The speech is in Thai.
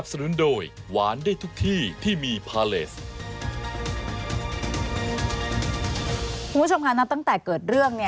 คุณผู้ชมค่ะตั้งแต่เกิดเรื่อง